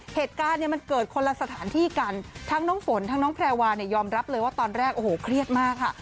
เหตุการณ์เนี่ยมันเกิดคนละสถานที่กันทั้งน้องฝนทั้งน้องแพรวาเนี่ยยอมรับเลยว่าตอนแรกโอ้โหเครียดมากค่ะ